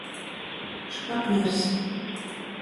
Škaplers.